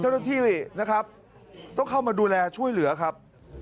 เจ้าหน้าที่นะครับต้องเข้ามาดูแลช่วยเหลือครับ